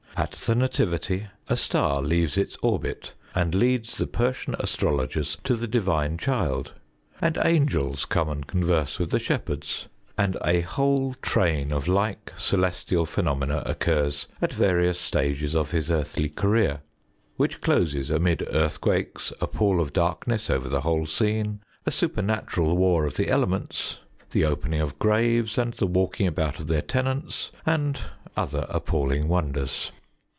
At the nativity a star leaves its orbit and leads the Persian astrologers to the divine child, and angels come and converse with shepherds, and a whole train of like celestial phenomena occurs at various stages of his earthly career, which closes amid earthquakes, a pall of darkness over the whole scene, a supernatural war of the elements, the opening of graves and the walking about of their tenants, and other appalling wonders.